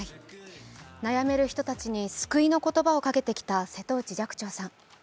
悩める人たちに救いの言葉をかけてきた瀬戸内寂聴さん。